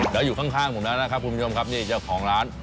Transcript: แล้วอยู่ข้างผมแล้วนะครับคุณผู้ชมครับนี่เจ้าของร้าน